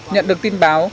nhận được tin báo